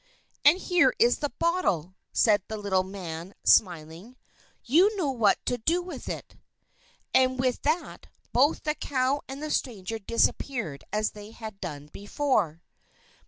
"And here is the bottle!" said the little man, smiling. "You know what to do with it." And with that both the cow and the stranger disappeared as they had done before.